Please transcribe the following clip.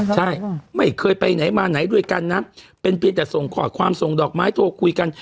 ใช่ไม่เคยไปไหนมาไหนด้วยกันนะเป็นเป็นแต่ขวามทรงดอกไม้โทหลคุยกัน